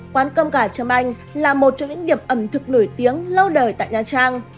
quán cơm gà trâm anh là một trong những điểm ẩm thực nổi tiếng lâu đời tại nha trang